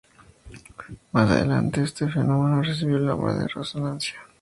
Más adelante, este fenómeno recibió el nombre de resonancia.